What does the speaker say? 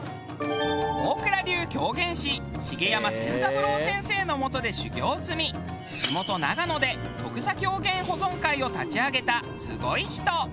大蔵流狂言師茂山千三郎先生の下で修業を積み地元長野で木賊狂言保存会を立ち上げたすごい人。